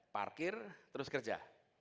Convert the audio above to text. parkir terus kerja